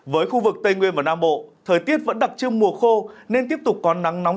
với khu vực tây nguyên và nam bộ thời tiết vẫn đặc trưng mùa khô nên tiếp tục có nắng nóng